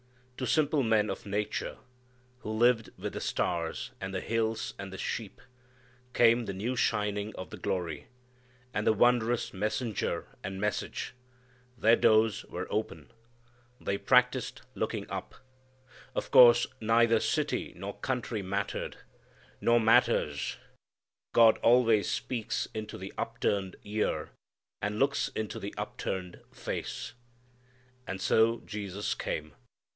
To simple men of nature who lived with the stars and the hills and the sheep, came the new shining of the glory, and the wondrous messenger and message. Their doors were open. They practised looking up. Of course neither city nor country mattered, nor matters. God always speaks into the upturned ear and looks into the upturned face. And so Jesus came.